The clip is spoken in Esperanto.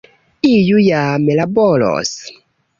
Iu jam laboros!